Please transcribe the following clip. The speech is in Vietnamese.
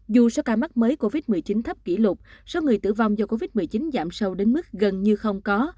dù số ca mắc mới covid một mươi chín thấp kỷ lục số người tử vong do covid một mươi chín giảm sâu đến mức gần như không có